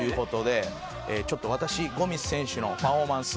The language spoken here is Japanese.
ちょっと私ゴミス選手のパフォーマンス。